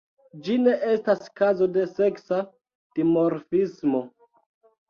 Ĝi ne estas kazo de seksa dimorfismo.